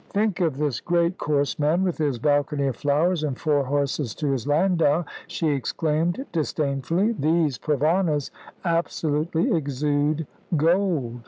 "Think of this great coarse man, with his balcony of flowers, and four horses to his landau," she exclaimed disdainfully. "These Provanas absolutely exude gold!"